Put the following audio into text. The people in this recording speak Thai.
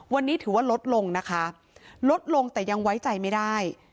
วันนี้ถือว่าลดลงนะคะลดลงแต่ยังไว้ใจไม่ได้